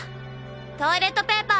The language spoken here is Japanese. トイレットペーパー